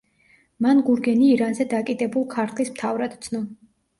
მან გურგენი ირანზე დაკიდებულ ქართლის მთავრად ცნო.